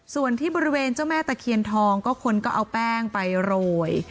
ส่วนที่บริเวณเจ้าแม่ตะเคียนทองก็คนก็เอาแป้งไปโรย